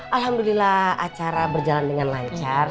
alhamdulillah acara berjalan dengan lancar